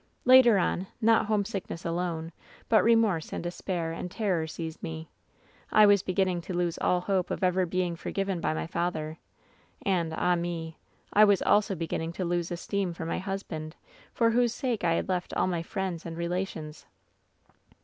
"Later on, not homesickness alone, but remorse and despair and terror seized me. I was beginning to lose all hope of ever being forgiven by my^father; and, ah me ! I was also beginning to lose esteem for my husband, for whose sake I had left all my friends and relations.